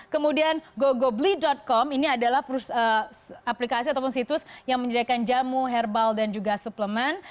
kemudian gogobli com ini adalah aplikasi ataupun situs yang menyediakan jamu herbal dan juga suplemen